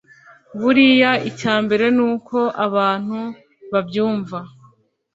Buriya icya mbere n’uko abantu babyumva